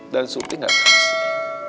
dan surti gak kasih